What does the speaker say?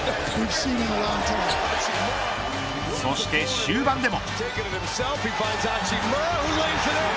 そして終盤でも。